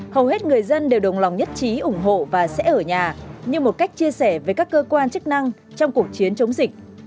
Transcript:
hầu hết người dân đều đồng lòng nhất trí ủng hộ và sẽ ở nhà như một cách chia sẻ với các cơ quan chức năng trong cuộc chiến chống dịch